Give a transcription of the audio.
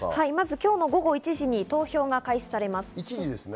今日の午後１時から投票が開始されます。